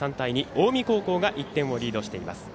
近江高校が１点をリードしています。